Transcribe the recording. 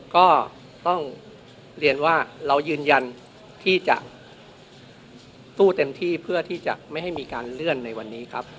ก็ต้องเรียนว่าเรายืนยันที่จะสู้เต็มที่เพื่อที่จะไม่ให้มีการเลื่อนในวันนี้ครับ